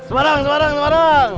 semarang semarang semarang